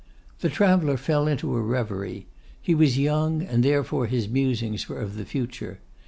The traveller fell into a reverie. He was young, and therefore his musings were of the future.